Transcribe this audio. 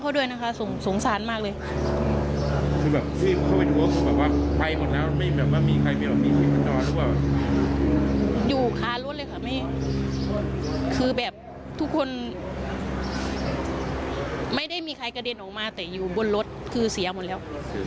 คือเสียหมดแล้ว